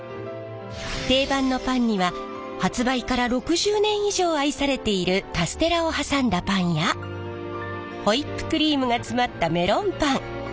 定番のパンには発売から６０年以上愛されているカステラを挟んだパンやホイップクリームが詰まったメロンパン。